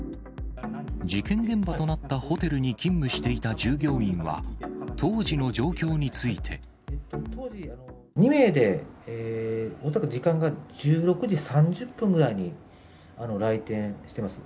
事件現場となったホテルに勤務していた従業員は、当時の状況につ２名で、恐らく時間が１６時３０分ぐらいに来店してます。